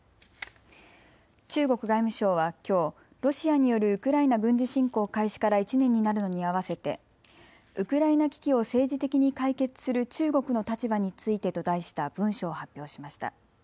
中国外務省はきょうロシアによるウクライナ軍事侵攻開始から１年になるのに合わせてウクライナ危機を政治的に解決する中国の立場についてと題した文書を発表しました。